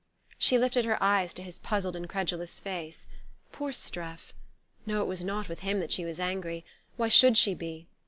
She lifted her eyes to his puzzled incredulous face. Poor Streff! No, it was not with him that she was angry. Why should she be?